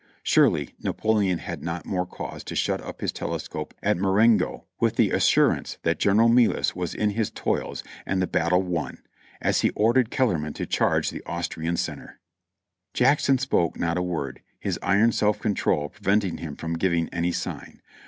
Surely Napoleon had not more cause to shut up his telescope at Marengo with the assurance that General Melas was in his toils and the battle won, as he ordered Kellerman to charge the Austrian center. Jackson spoke not a word, his iron self control preventing him from giving any sign.